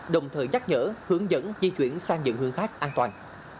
đồng thời nhắc nhở hướng dẫn di chuyển sang những hướng khác an toàn